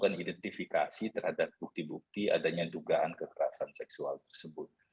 melakukan identifikasi terhadap bukti bukti adanya dugaan kekerasan seksual tersebut